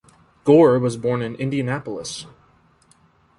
Gore was born in Indianapolis.